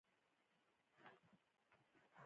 نوې کلمې جوړول حق دی.